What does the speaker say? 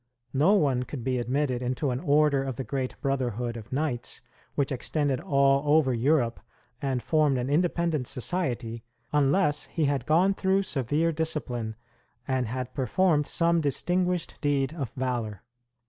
No one could be admitted into an order of the great brotherhood of knights, which extended all over Europe and formed an independent society, unless he had gone through severe discipline, and had performed some distinguished deed of valor.